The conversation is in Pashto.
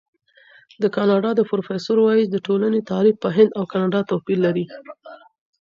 د کاناډا پروفیسور وايي، د ټولنې تعریف په هند او کاناډا توپیر لري.